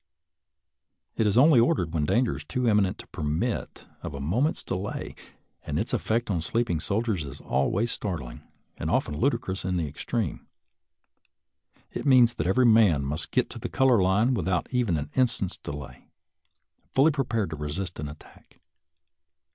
It is only ordered when danger is too imminent to permit of a moment's delay, and its effect on sleeping soldiers is always startling, and often ludicrous in the extreme. It means that every man must get to the color line without even an instant's de lay, fully prepared to resist an attack.